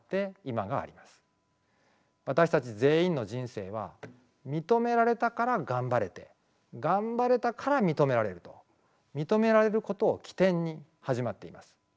私たち全員の人生は「認められたからがんばれてがんばれたから認められる」と認められることを起点に始まっています。